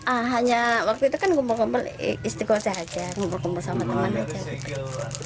oh hanya waktu itu kan ngumpul ngumpul istriku aja ngumpul ngumpul sama teman aja